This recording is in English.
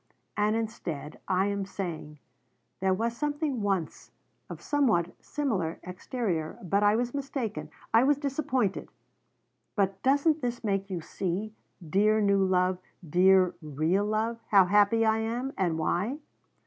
And instead I am saying: 'There was something once of somewhat similar exterior. But I was mistaken. I was disappointed.' But doesn't this make you see dear new love dear real love how happy I am, and why?